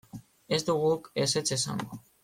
Ez dugu guk ezetz esango.